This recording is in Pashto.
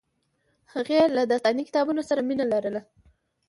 هغې له داستاني کتابونو سره مینه لرله